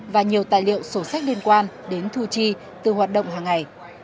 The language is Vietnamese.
và nhiều tài liệu sổ sách liên quan đến thu chi từ hoạt động hàng ngày